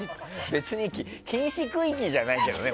別に禁止区域じゃないけどね。